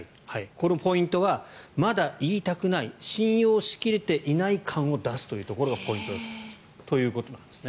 このポイントはまだ言いたくない信用しきれていない感を出すところがポイントだそうです。